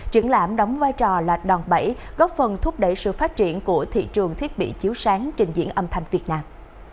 triển lãm đóng vai trò là đòn bẫy góp phần thúc đẩy sự phát triển của thị trường thiết bị chiếu sáng trình diễn âm thanh việt nam